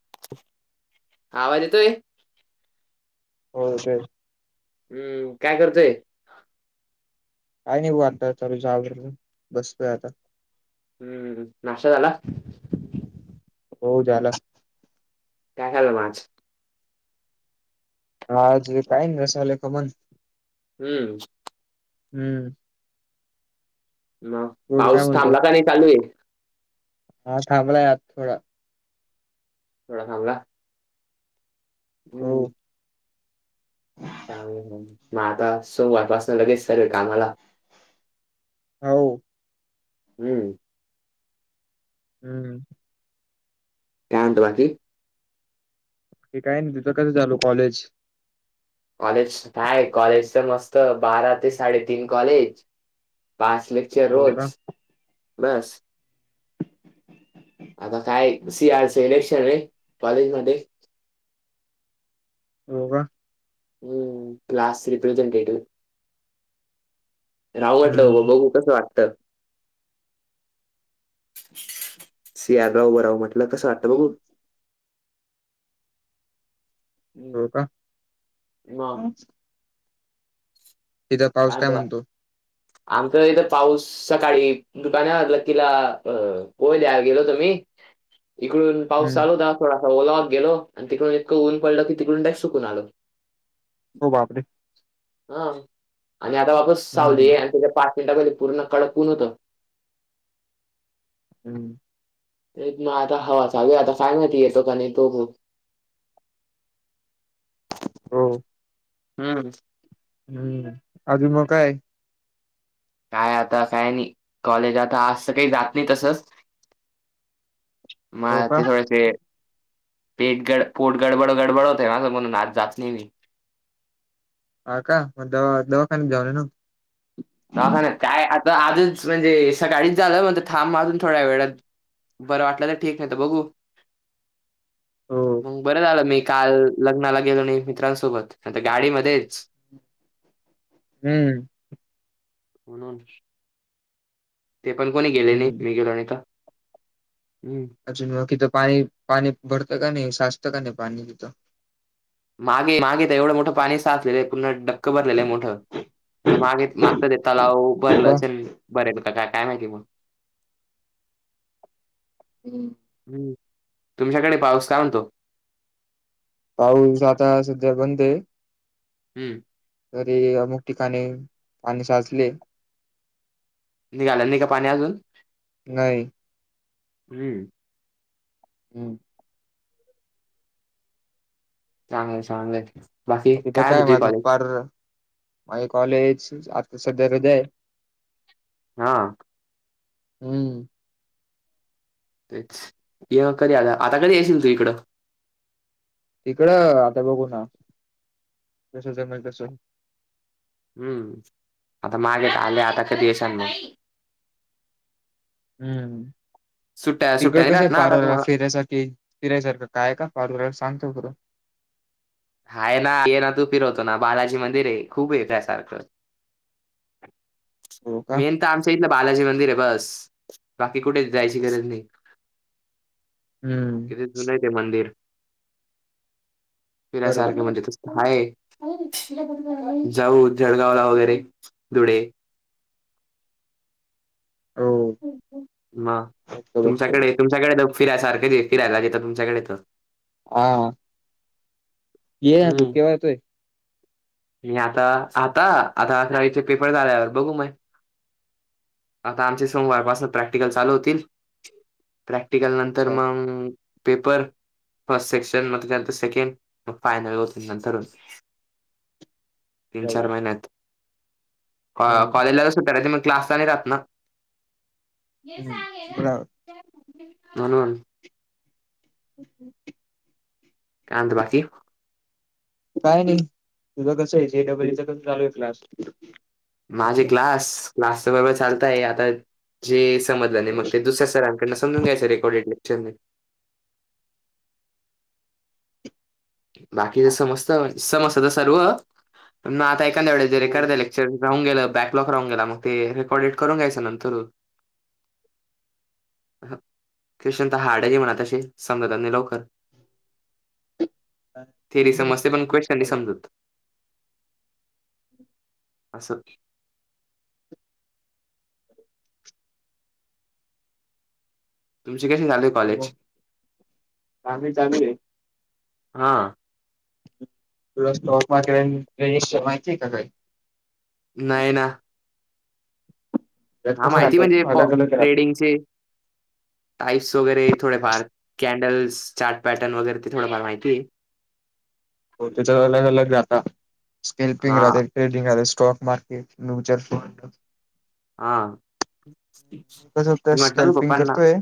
[inaudible] आवाज येतोय? हो येतोय ‌. हम्म, काय करतोय? काय नाही बो आता तनुच आवरल बसतोय आता. हम्म, नाश्ता झाला? हो झाला. काय खाल्लं म आज? आज मी काय नाही रसवाले खमन. हम्म. हम्म. मग, बोल काय पाऊस म्हणतो थांबला का नाही चालू आहे? पाऊस थांबलाय आता थोडा. थोडा थाबला. हो. ह [inaudible] मग आता सोमवार पासन लगेच सर्व कामाला? हाव.. हम्म. हम्म. काय म्हणतो बाकी? ते काय नाही, तुझं कसं चालु कॉलेज? कॉलेज काय कॉलेज तर मस्त बारा ते साडेतीन कॉलेज पाच ले चे हो का रोज बस आता काय सी आर च इलेक्शन आहे कॉलेज मध्ये. हो का. हम्म, क्लास रिप्रेझेंटेटिव्ह राहु वाटल्यावर म हम्म बघू. कस वाटत सियार भाऊ बराव म्हट तुला कसं वाटतं बघू हम्म. हो का मग तिथं पाऊस काय का म्हणतो [inaudible] आमच इथं पाऊस सकाळी दुकान [inaudible] लकीला पोयल्या गेलो होतो मी इकडून हम्म पाऊसचालो थोडासा ओलावा गेलो आणि तिकडून इतकं ऊन पडलं की तिकडून ट सुकून आलो. हो बापरे हा आणि आता वापस हम्म सावली आणि त्याच्या पाच मिनिटा ग पूर्ण कडक ऊन होतं. हम् ते ना आता हवा चालु आता काय माहिती येतो का नाही तो [inaudible] हो हम्म हम्म अजून मग काय? काय आता काय नाही कॉलेज आता आजं काही जात नाही तसंच, हो मग का ते थोडेसे, पेट गड पोट गडबड गडबड होते ना म्हणून ना जात नाही मी हा का मग दवा दवाखान्यात जाऊणे. दवाखान्यात काय आता आजच म्हणजे सकाळीच झालं म्हणज थांब मजून थोड्या वेळ. बरं वाटलं तर ठीक नाही तर बघू, हो मग बरं झालं मी काल लग्नाला गेलो नाही मित्रांसोबतता गाडीमध्येच हम्म म्हणून ते पण कोणी गेले नाही हम्म मी गेलो नाही तर हम्, अजून म तिथं पाणी पाणी भरतं का नाही साचतं का नाही पाणी तिथं, मागे मागे एवढं मोठं पाणी साचलेलं आहे पूर्ण डक्क भरलेलं आहे मोठं मागे. तर ते तलाव भरलं का? असेल भरेल का का काय माहिती मग, हम् [inaudible] हम्म तुमच्याकडे पाऊस म्हणतो. पाऊस आता सध्या बंद आहे. हम्म तरी अमुमुक ठिकाणी पाणी साचले. निघाला नाही का पाणी अजून नाही हम्म, हम चांगलं चांगलंय बाकी तिथं काय म्हतय माझं कॉलेज, पार माझे कॉलेज आता सध्या हृदय- हा हम्म तेच कधी आलं आता कधी असशील तू इकडं तिकड आता बघू ना कस. जमले तसं हम्म आता मागे आले आता कधीसांना [unintelligible] हम्म सुट्ट्या सुट्ट्या तिकड नाही कस आहे राहत ना आता पारवला तुम्हाला फेऱ्यासाठी फिरायसारख काय का फार व सांगतो खरं हाय ना ये ना तू फिरवतो ना बालाजी मंदिर आहे खूप ये त्यासारखं हो का मेन आता आमच्या इथलं बालाजी मंदिर आहे बस बाकी कुठे जायची गरज नाही. हम्म तिथे जुून य ते मंदिर. बरोबर फिरयसारख म्हणजे. हाय जाऊ जळगावला वगैरे धुळे, हो मग बघतो बघतो तुमच्याकडे, तुमच्याकडे फिरायसारखं फिरायला देत तुमच्याकडे तर, हा ये यार तू हम्म केवा यतोय? मी आता, आता आता अकरावीचे पेपर झाल्यावर बघू. आता आमचे सोमवारपासून प्रॅक्टिकल चालू होतील. प्रॅक्टिकल नंतर अच्छा मग पेपर फस्ट सेक्शन मग त्याच्यानंतर सेकंड. मग फायनल होतील नंतरच तीन चार बरोबर महिन्यात. हम्म कॉलेजलाला कसं [unintelligible] मग क्लास नाही राहत ना. हम्म बरा हा ना [unintelligible] ह [inaudible] काय म्हणतात बाकी मग? काय नाही तुझं कसं आहे जे डबलूच कस चालू आहे क्लास? माझे क्लास क्लासच बरोबर चालत आहे आता जे समजलं नाही मग ते दुसऱ्या सरांकडन, पुन्हा समूजुन घ्यायसाठी रेकॉडेड लेक्चर. बाकीच समजत, समजत तर सर्व पण मग आता एखाद्या वेळे जरे हो करतायला- जे राहुन गेलं बॅकलॉग राहून गेला मग ते रेकॉर्डेड करून घ्यायचं नंतर. [unintelligible] म्हणा तशी समजतात लवकर. काय? ते भी समजतय पण क्वेशचन नाही चालू समजत. ह [inaudible] असं तुमचे कशी झाले. म कॉलेज? काम च [unintelligible] हा थड स्टॉक मके रजश शर् माती काही [unintelligible] नाहीय ना त्यात हा कसं माहिती म्हणजे राहतं अलग अलग राहतं ट्रेडिंगचे, टाईप्स वगैरे थोडेफार कॅन्डल्स चार्ट पॅटर्न वगैरे ते थोडफार माहितीय. हो त्याचा अलग अलग राहात स्केल् पिंग हां, राहते. Trading or stock market mutual fund, हा मी कसं तर म्हटलं ना स्कॅल्पिंग पप्पाना करतोय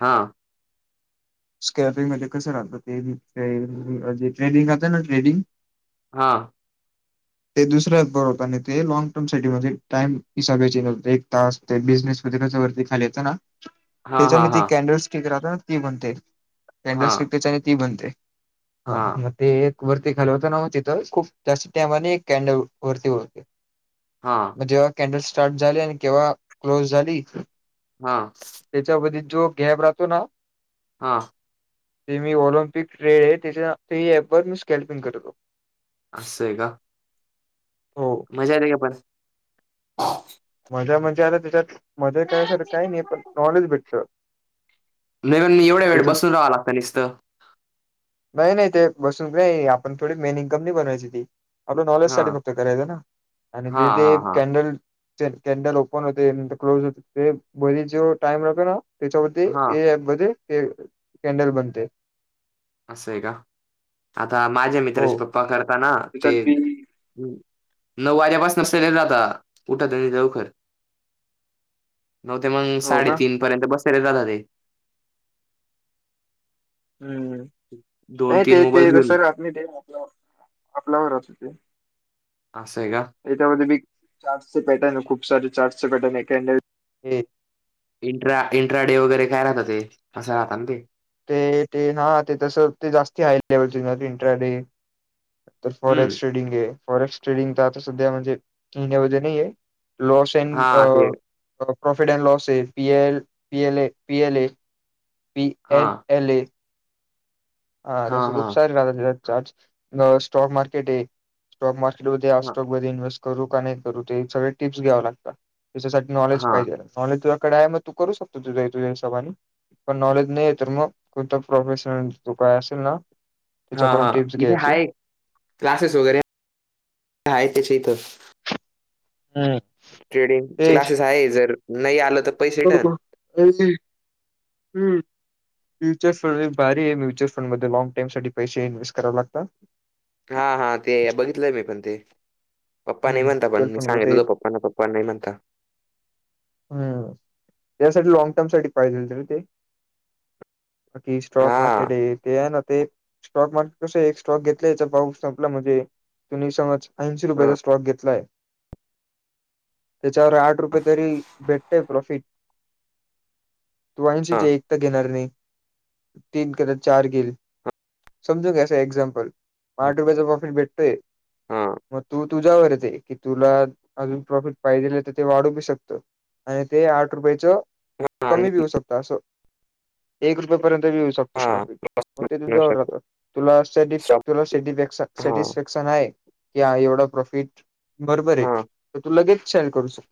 हा स्कॅपिंग मध्ये कसं राहतं ते जे ट्रेडिंग राहतय ना ट्रेडिंग, हा ते दुसऱ्याच बर होत, आणि ते लँग टर्म [unintelligible] एक तास ते बिझनेस. वरती खाली येतना हां, त्याच्याने हां, ते हां, कॅनडल्स स्टीक राहत ना ती म्हणते. हां, पॅनडल [unintelligible] ती बनते. हां, ते एक वरती घालवता नव्ह तीत तर खूप जास्त टायमाने एक कॅन्डल वरती येते. हां जेव्हा कॅन्डल स्टार्ट झाले, आणि केव्हा क्लोज झाली. हा त्याच्यावर जो घॅप राहतो ना, हां. ते मी ऑलिम्पिक ट्रेड आहे, त्याच्या ते ऍप वर मी स्कॅल्पिंग करतो. अस स आहे का? हो. मजा रे का पण मजा म्हणजे आता त्याच्यात, मजा करायसाठी काही नाही, पण नॉलेज भेटतं. मगन मी एवढ्या वेळ त्याच्यात बसून राहां लागता निसतं. नाही नाही ते बसून नाही, आपण थोडी मेन इनकम बनवायची ती. आपलं नॉलेज हां, साठी नुकत करायचं ना, आणि हां, तिथे हां, हां, कॅन्डल कॅन्डल ओपन होते, नंतर क्लोज होते, ते बरी जो टाइम लागतो ना त्याच्यावरती हां. मग ते केंडल बनते. असं आहे का, आता माझ्या हो. मित्राचे पप्पा करताना, त्याच्यात ते बी नऊ वाऱ्यापास नसले जाता, उठत नाही लवखर. नव ते मग हो का साडेतीन पर्यंत बसलेले जात ते. हम्म,, दोन नाही तीन ते ते मोबाईल जसं घेऊन रात नाही ते, आप आपल्यावर रात हो ते.. असय का? याच्यामध्ये मी चार्टस चे पॅटर्न आहे खूप सारे, चार्टस चे पॅटर्न आहे, कॅन्डल हे इंट्रा इंट्रा डे वगैरे काय राहत ते, असं राहत ना ते. ते ते ना ते तसं ते जास्ती हाय लेवल इंटर डे. तर फॉरेक्ट हम्म शेडिंग ए. फॉरेस्ट ट्रेडिंगचा आता सध्या म्हणजे महिन्या मधे नाहीये, लॉस एन हा ते प्रॉफिट अँड लॉस ए, पी एल पी एल ए पी एल ए पी हा एन एल ए.. हा तसं खुप सारे राहते स्टॉक, मारकेट स्टॉक मारकेट. हा स्टॉक मध्ये इन्व्स्वेट करू का नाही करू ते सगळे टिप्स घ्यावं लागता,, त्याच्यासाठी नॉलेज हा पाहिजे. नॉलेज तुझ्याकडे आहे मग तू करू शकतो तुझ्या हिशोबाने. पण नॉलेज नाही आहे तर मग, कोणत प्रोफेशनल तू काय असेल ना., हा त्याच्याकडून हा, टिप्स इथे घ्यायची हाय, क्लासेस वगैरे हाय त्याच्या इथं. हम्म. ट्रेडिंग तेच क्लासेस आहे जर, नाही आलं तर. पैसे हो रिटर्न अ हम्म. म्युच्यअल फंड भारी आहे, म्युचुअल फंडमध्ये लँग टर्म साठी पैसे इ्नवेस्ट करावे लागतात. हा हा, ते बघितलंय मी पण ते, पप्पा हं. नाही म्हणता म्युच्युअल पण मी फंडमध्ये सांगितल तो पप्पा ना प्. पण नाही म्हणता. हम्म, त्यासाठी लाँग टर्म साठी पाहिजेल होतं ना ते. ते स्टॉक हा मारकेट आहे, ते आहे ना ते स्टॉक मार्केट कसं एक स्टॉक घेतला याचा पाऊ संपला म्हणजे,, तु् ने समज ऐंशी हा रुपयांचा स्टॉक घेतलाय. त्याच्यावर आठ रुपये तरी भेटते प्रॉफिट. तू ऐंशी हां, ते एक तर घेणार नाही, तीन कदात चार घेईल. समजू घ्याच एक्झाम्पल, म हां, आठ रुपयाचा प्रॉफिट भेटतय. हां, मग तू तुझ्यावर ये ते,, तुला अजून प्रॉफिट पाहिजेलं तर ते वाढू बी शकतं. आणि ते आठ रुपयाचं हां, आणि कमी बिऊ शकतं असं, एक रुपय पर्यंत बी येऊ शकतं. हां, मग ते म्हणू तुझ्या वर शकतो. राहतं, तुला असथेटीक शॉप तुला सिटी बॅक हां, नुकसान आहे, की ह एवढा प्रॉफिट बरोबर आहे, हां, तर तू लगेच सेल करू शकत.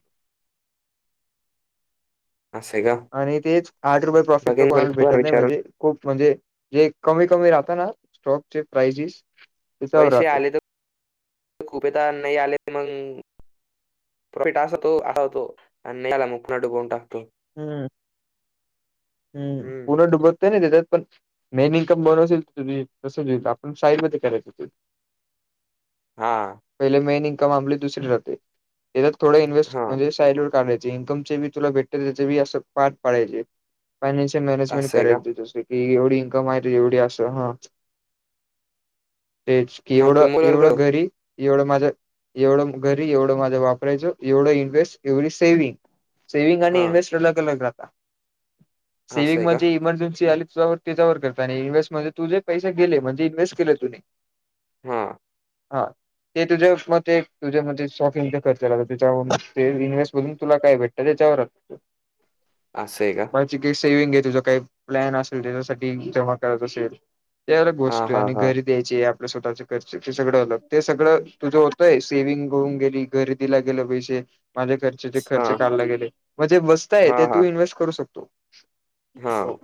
असे का आणि तेच आठ रुपये प्रॉफिट तर बघेन पण कोणाला तुम्हाला भेटत नाही विचारून. मध्ये खूप म्हणजे जे कमी कमी राहत ना स्टॉकचे प्राइजिस पैसे आले तर खूपे तर नाही आले तर मग प्रॉफिट असा तो असा होतो आणिला मुकण डुकवून टाकतो हू हू हं, पूर्ण डुबत नाही ना त्याच्यात पण मेन इन्कम भरोस्याची तुझी तस होईल आपण साइडमध्ये करायच हा पहिले मेन इन्कम आमली दुसरी राहते त्याच्यात थोड इन्हेस्ट हां, म्हणजे साईडवर काम जी इन्कमचे तुला भेटती त्याच असे पार्ट पाडायचे फायनान्शियल मॅनेजमेंट असं आहे का? करायचं दुसरी कि एवढी इन्कम आहे तू एवढी असं हा तेच की मग एवढं तुम्ही मुलाला एवढं कळव. घरी एवढं माझं एवढं घरी एवढं माझं वापरायचं एवढं इन्व्हेस्ट एवढी सेव्हिंग सेव्हिंग आणि हां, इन्व्हेस्ट अलग अलग राहता असं सेव्हिंग आहे का? म्हणजे इमर्जेन्सी आली तुझा त्याच्यावर करता आणि इन्व्हेस्ट म्हणजे तुझे पैसे गेले म्हणजे इन्व्हेस्ट केले तुने हां, हा ते तुझे म ते तुझ्या म्हणजे शॉपिंगचा खर्चा लागलं तेच्यामुळ ते इन्व्हेस्ट मधून तुला काय भेटत त्या त्याच्यावर असत असं आहे का तुझी काय सेविंग आहे तुझ काही प्लॅन असेल त्याच्यासाठी जमा करायच असेल ते अलग हां, गोष्ट आहे हां, आणि हां, घरी द्यायची आपल्या स्वतःच्या खर्च ते सगळं अलग ते सगळं तुझं होतय सेविंग होऊन गेली घरी घरी दीला गेलं पैसे माझ्या खर्चाचे खर्चे हां, काढला गेले म्हणजे मस्त आहे ते तू इनवेस्ट करू शकतो हा हो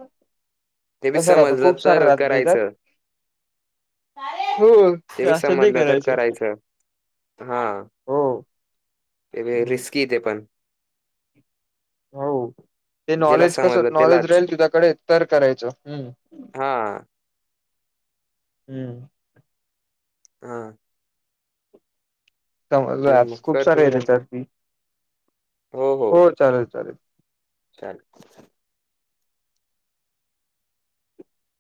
ते बी तसं राहतं समजलं खूप सारं तर राहतं त्याच्यात करायचं हो ते बी असं नाही समजलं तर करायचं हा हो ते बी रिस्की आहे ते पण हो ते ज्याला नॉलेज कसं समजलं नॉलेज त्यालाच. राहील तुझ्याकडे तर करायचं हू हा हू हा समजलं ऍप मग खूप कर सारे तुम्ही आहेेत नंतर. त्याच्यात बी हो चालेल चालेल चालेल